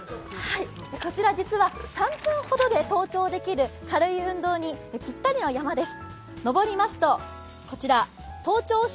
実は３本ほどで登頂できる軽い運動にぴったりの山です。